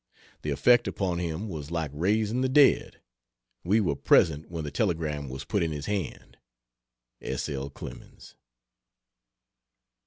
The effect upon him was like raising the dead. We were present when the telegram was put in his hand. S. L. CLEMENS.